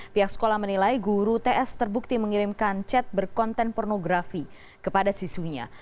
pihak sekolah menilai guru ts terbukti mengirimkan chat berkonten pornografi kepada siswinya